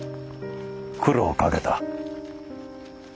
苦労をかけた。